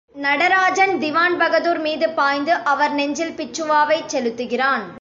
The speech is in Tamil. நடராஜன் திவான் பகதூர் மீது பாய்ந்து அவர் நெஞ்சில் பிச்சுவாவைச் செலுத்துகிறான்.